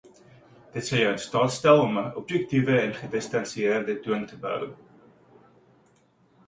Dit sal jou in staat stel om ŉ objektiewe en gedistansieerde toon te behou.